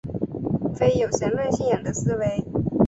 非有神论信仰的思维。